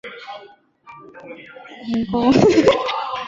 鸿沟是中国的古运河名。